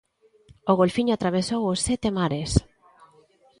O golfiño atravesou os sete mares.